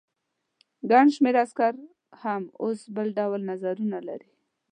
ګڼ شمېر عسکر هم اوس بل ډول نظرونه لري.